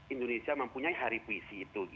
indonesia mempunyai hari puisi itu